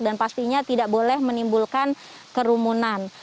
dan pastinya tidak boleh menimbulkan kerumunan